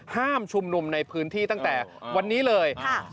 ห้ามชุมนุมในพื้นที่ตั้งแต่วันนี้เลย